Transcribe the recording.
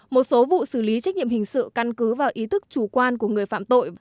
một số vụ xử lý trách nhiệm hình sự căn cứ vào ý thức chủ quan của người phạm tội